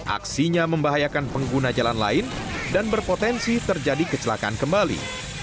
aksinya membahayakan pengguna jalan lain dan berpotensi terjadi kecelakaan kembali